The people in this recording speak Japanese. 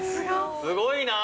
◆すごいなあ。